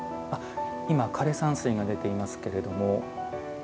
今、枯山水が出ていますけれども。